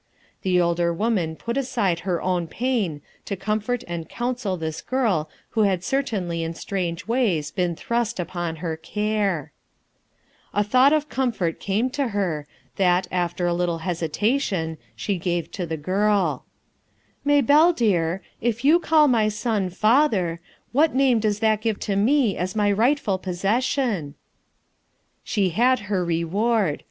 The older woman put aside her own pain to comfort and counsel this girl who had certainly in strange ways been thrust upon her care. 382 RUTH ERSKINE'S SON A thought of comfort came to her, that aft a little hesitation, she gave to the girl, "Maybcllc dear, if you call my son f father' what name does that give to me as my rightful possession?" She had her reward.